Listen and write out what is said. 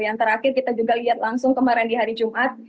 yang terakhir kita juga lihat langsung kemarin di hari jumat